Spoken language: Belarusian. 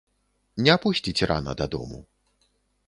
Не пусціць рана дадому.